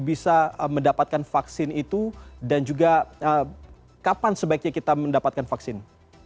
bisa mendapatkan vaksin itu dan juga kapan sebaiknya kita mendapatkan vaksin